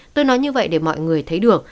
tôi nói như vậy để mọi người thấy được